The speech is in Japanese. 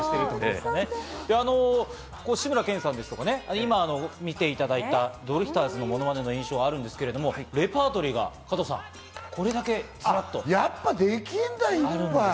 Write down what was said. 志村けんさんですとか、今、見ていただいたドリフターズのものまねの印象があるんですけど、レパートリーがこれだけあるんです。